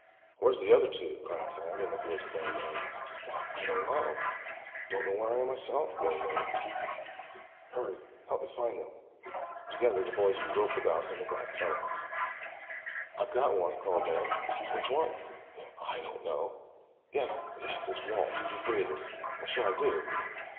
"Where's the other two?" cried Tad in a voice of anxiety. "I don't know. Don't know where I am myself," groaned Ned. "Hurry, help me find them." Together the boys groped about in the black tunnel. "I've got one," called Ned. "Which one?" "I don't know. Yes, yes, it's Walt. He's breathing. What shall I do?"